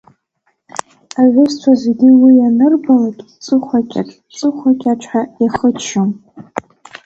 Аҩызцәа зегьы уи анырбалак, Ҵыхәакьаҿ, Ҵыхәакьаҿ ҳәа иахыччон.